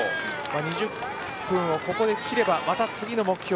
２０分を切ればまた次の目標